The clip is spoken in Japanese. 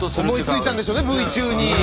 思いついたんでしょうねＶ中に。